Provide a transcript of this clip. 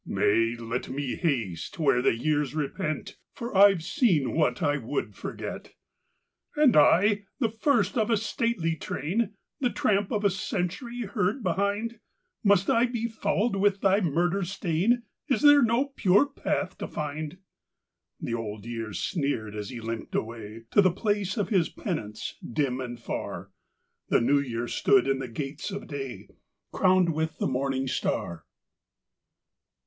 " Nay, let me haste where the years repent, For I ve seen what I would forget." " And I, the first of a stately train, The tramp of a century heard behind, Must I be fouled with thy murder stain? Is there no pure path to find? " The Old Year sneered as he limped away To the place of his penance dim and far. The New Year stood in the gates of day, Crowned with the morning star.